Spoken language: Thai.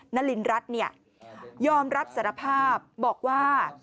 นลินรัตย์ยอมรับสารภาพบอกว่า